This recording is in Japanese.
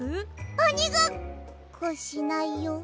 おにごっこ！しないよ